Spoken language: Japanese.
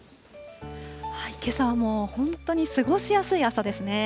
けさはもう本当に過ごしやすい朝ですね。